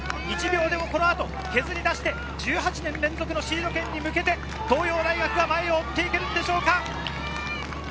１秒でもこの後、削り出して、１８年連続のシード権に向けて東洋大学が前を追って行けるんでしょうか？